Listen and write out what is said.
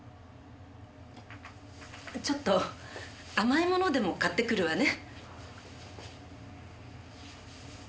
ちょっと甘いものでも買ってくるわね。